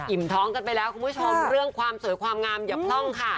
ท้องกันไปแล้วคุณผู้ชมเรื่องความสวยความงามอย่าพร่องค่ะ